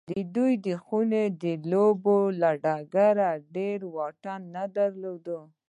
دې خونې د لوبې له ډګره ډېر واټن نه درلود